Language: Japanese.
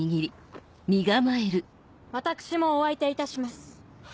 私もお相手いたします。